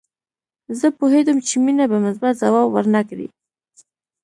زه پوهېدم چې مينه به مثبت ځواب ورنه کړي